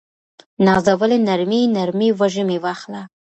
نازولې نرمې، نرمې وږمې واخله